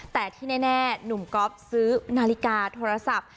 แต่ที่แน่หนุ่มก๊อฟซื้อนาฬิกาโทรศัพท์